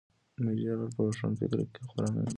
د میډیا رول په روښانفکرۍ کې خورا مهم دی.